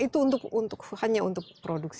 itu hanya untuk produksi